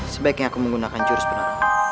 sebaiknya aku menggunakan jurus penerbangan